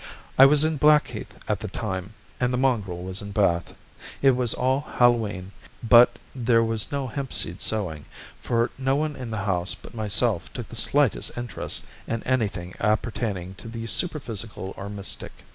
I was in Blackheath at the time, and the mongrel was in Bath. It was All Hallow E'en, but there was no hempseed sowing, for no one in the house but myself took the slightest interest in anything appertaining to the superphysical or mystic.